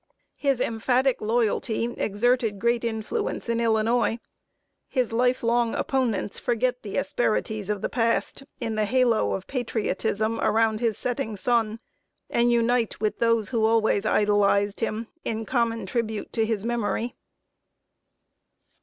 His emphatic loyalty exerted great influence in Illinois. His life long opponents forget the asperities of the past, in the halo of patriotism around his setting sun, and unite, with those who always idolized him, in common tribute to his memory.